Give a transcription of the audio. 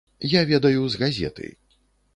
Я ведаю з газеты.